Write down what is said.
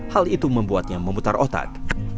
hal itu membuatnya memutar otak